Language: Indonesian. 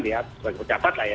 sebagai pejabat lah ya